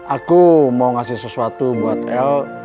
aku mau ngasih sesuatu buat el